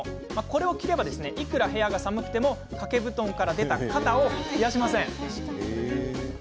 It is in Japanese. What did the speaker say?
これを着ればいくら部屋が寒くても掛け布団から出た肩を冷やしません。